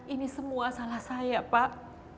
ini semua salah saya pak